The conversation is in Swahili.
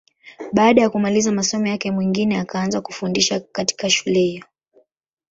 Baada ya kumaliza masomo yake, Mwingine akaanza kufundisha katika shule hiyo.